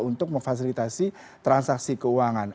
untuk memfasilitasi transaksi keuangan